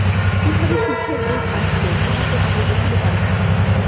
কিভাবে সুখের যুগ আসিবে, তাহা তো আমি বুঝিতে পারি না।